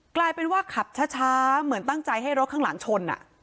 กลายเป็นว่าขับช้าเหมือนตั้งใจให้รถข้างหลังชน